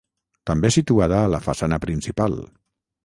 També situada a la façana principal.